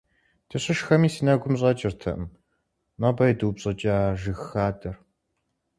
Дыщышхэми си нэгум щӀэкӀыртэкъым нобэ идупщӀыкӀа жыг хадэр.